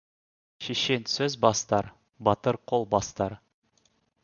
Шешен сөз бастар, батыр қол бастар.